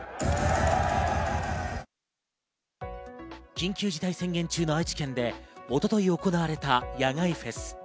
緊急事態宣言中の愛知県で一昨日、行われた野外フェス。